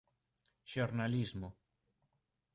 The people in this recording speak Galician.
Xornalismo